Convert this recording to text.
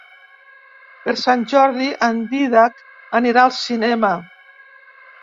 Per Sant Jordi en Dídac anirà al cinema.